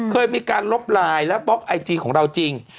เคยมีการลบไลน์และบล็อกไอจีของเราจริง